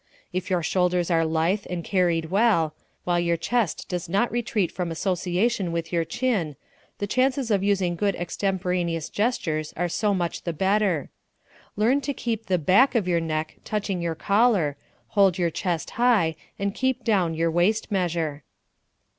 If your shoulders are lithe and carried well, while your chest does not retreat from association with your chin, the chances of using good extemporaneous gestures are so much the better. Learn to keep the back of your neck touching your collar, hold your chest high, and keep down your waist measure.